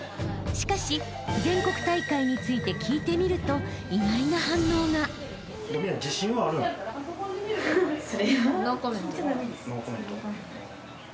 ［しかし全国大会について聞いてみると意外な反応が］ノーコメント。